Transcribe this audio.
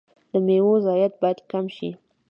د میوو ضایعات باید کم شي.